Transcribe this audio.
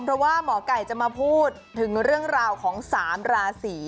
เพราะว่าหมอไก่จะมาพูดถึงเรื่องราวของ๓ราศี